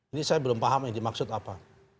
ini saya belum paham ini maksud apa